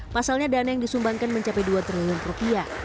pasalnya dana yang disumbangkan mencapai dua triliun rupiah